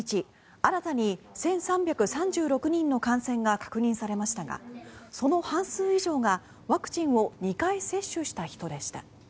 新たに１３３６人の感染が確認されましたがその半数以上がワクチンを２回接種した人でした。